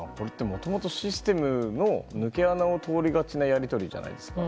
もともとシステムの抜け穴を通りがちなやり取りじゃないですか。